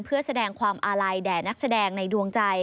เพื่อแสดงความอาลัยแด่นักแสดงในดวงใจ